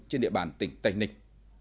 trên địa bàn tỉnh tây ninh